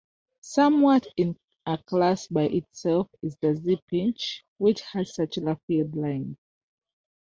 Somewhat in a class by itself is the Z-pinch, which has circular field lines.